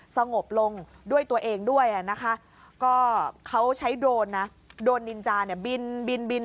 สงบลงด้วยตัวเองด้วยนะคะก็เขาใช้โดรนนะโดรนนินจาเนี่ยบินบิน